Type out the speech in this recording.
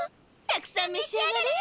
たくさんめしあがれ！